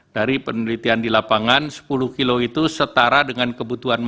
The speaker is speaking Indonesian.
dari penelitian di lapangan sepuluh kilo itu setara dengan kebutuhan masyarakat